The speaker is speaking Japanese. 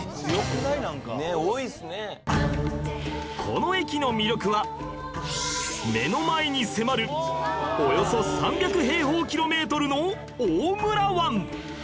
この駅の魅力は目の前に迫るおよそ３００平方キロメートルの大村湾